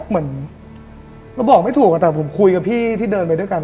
เหมือนเราบอกไม่ถูกแต่ผมคุยกับพี่ที่เดินไปด้วยกัน